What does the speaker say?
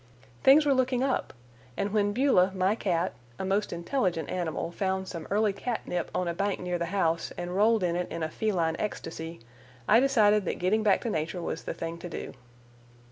Things were looking up; and when Beulah, my cat, a most intelligent animal, found some early catnip on a bank near the house and rolled in it in a feline ecstasy, I decided that getting back to nature was the thing to do.